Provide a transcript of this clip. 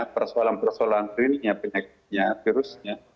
persoalan persoalan kliniknya penyakitnya virusnya